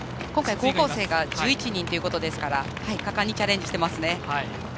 今回高校生が１１人ということで果敢にチャレンジしてますね。